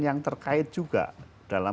yang terkait juga dalam